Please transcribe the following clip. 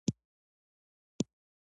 طبیعت د ژوند دوام ته اړتیا لري